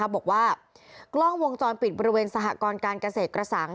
บอกว่ากล้องวงจรปิดบริเวณสหกรการเกษตรกระสัง